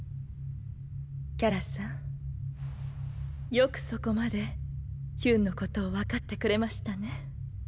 よくそこまでヒュンのことを分かってくれましたね。